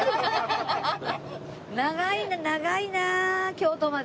長いな長いな京都まで。